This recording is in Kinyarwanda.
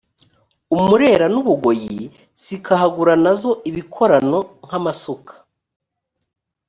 u murera n u bugoyi zikahagura na zo ibikorano nk amasuka